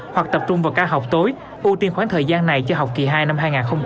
hoặc tập trung vào ca học tối ưu tiên khoảng thời gian này cho học kỳ hai năm hai nghìn hai mươi bốn